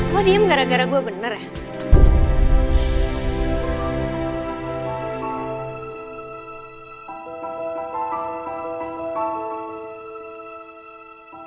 lo diem gara gara gua bener ya